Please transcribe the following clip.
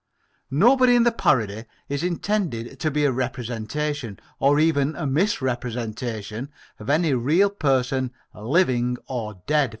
Nobody in the parody is intended to be a representation, or even a misrepresentation, of any real person living or dead.